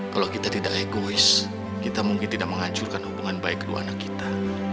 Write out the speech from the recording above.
kalau kita tidak egois kita mungkin tidak menghancurkan hubungan baik kedua anak kita